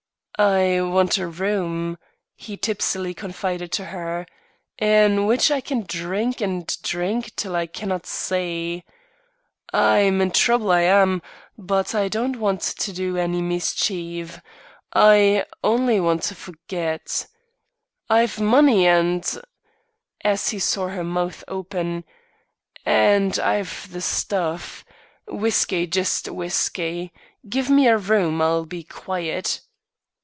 "I want a room," he tipsily confided to her, "in which I can drink and drink till I cannot see. I'm in trouble I am; but I don't want to do any mischief; I only want to forget. I've money, and " as he saw her mouth open, "and I've the stuff. Whiskey, just whiskey. Give me a room. I'll be quiet."